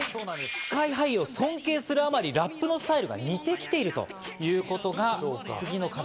ＳＫＹ−ＨＩを尊敬するあまりラップのスタイルが似てきているということが次の課題。